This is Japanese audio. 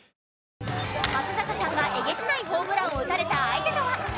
松坂さんがえげつないホームランを打たれた相手とは？